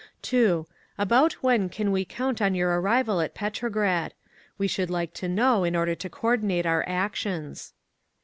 "(2) About when can we count on your arrival at Petrograd? We should like to know in order to coordinate our actions.